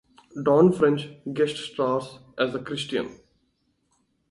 Dawn French guest stars, as the Christian.